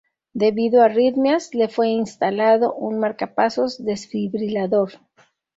Debido a arritmias, le fue instalado un marcapasos desfibrilador.